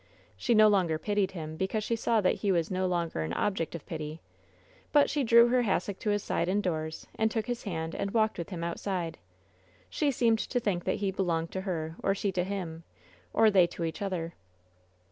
She no longer pitied him, be cause she saw that he was no longer an object of pity; but she drew her hassock to his side indoors, and took his hand and walked with him outside. She seemed to think that he belonged to her, or she to him, or they to each other.